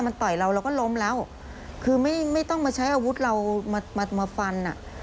ถ้าเราต้องการต่อยเราก็ล้มแล้วคือไม่ต้องมาใช้อาวุธเรามาฟัน